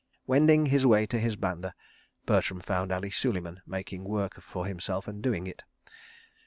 Wending his way to his banda, Bertram found Ali Suleiman making work for himself and doing it.